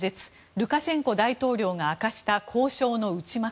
ルカシェンコ大統領が明かした交渉の内幕。